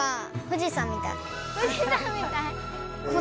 富士山みたい。